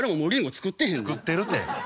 作ってるて。